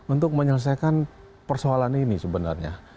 untuk menyelesaikan persoalan ini sebenarnya